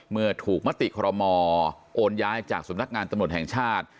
เมื่อถูกมติคอรมอโอนย้ายจากสำนักงานตำรวจแห่งชาติ